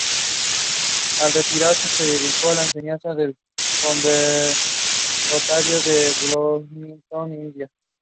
Al retirarse se dedicó a la enseñanza en el conservatorio de Bloomington, Indiana.